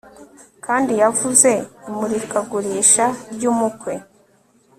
kandi yavuze imurikagurisha ry'umukwe